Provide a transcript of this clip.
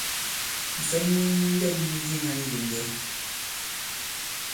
Ǹsɔn mwɛ̄ŋ mu ndɛ̂m mu diŋā i ilòŋgɛ.